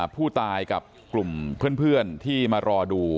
ผู้ตายกับกลุ่มเพื่อนที่มารอดู